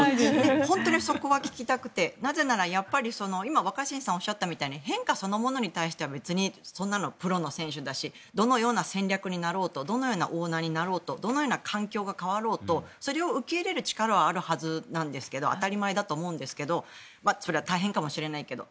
本当にそこは聞きたくてなぜなら、やっぱり今若新さんがおっしゃったように変化そのものに対してはそんなの別にプロの選手だしどのような戦略になろうとどのようなオーナーになろうとどのように環境が変わろうとそれを受け入れる力はあるはずなんですが当たり前だと思うんですがそれは大変かもしれないけど。